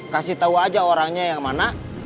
kasih tahu aja orangnya yang mana